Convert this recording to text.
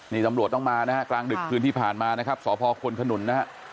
นี่ตำรวจต้องมานะฮะกลางดึกคืนที่ผ่านมานะครับสพควนขนุนนะฮะ